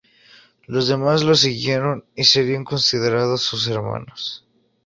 Los demás lo siguieron, y serían considerados sus hermanos.